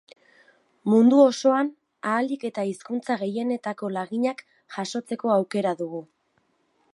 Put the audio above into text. Mundu osoan ahalik eta hizkuntza gehienetako laginak jasotzeko aukera dugu.